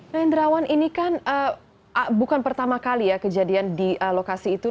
pak hendrawan ini kan bukan pertama kali ya kejadian di lokasi itu